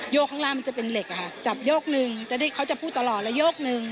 ข้างล่างมันจะเป็นเหล็กอะค่ะจับโยกหนึ่งแต่ที่เขาจะพูดตลอดระโยกหนึ่ง